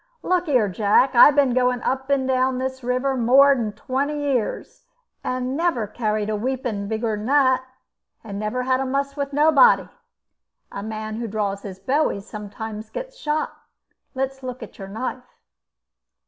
"Look here, Jack. I've been going up and down the river more'n twenty years, and never carried a weepon bigg'n that, and never had a muss with nobody. A man who draws his bowie sometimes gets shot. Let's look at your knife."